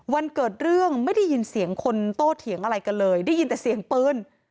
วันเกิดเรื่องไม่ได้ยินเสียงคนโตเถียงอะไรกันเลยได้ยินแต่เสียงปืน